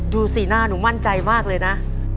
ดูสิหน้านุมั่นใจมากเลยนะ